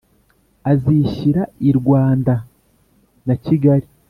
azishyira i rwanda na kigali.